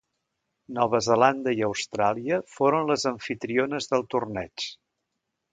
Nova Zelanda i Austràlia foren les amfitriones del torneig.